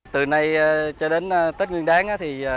từ nay cho đến tết nguyên đáng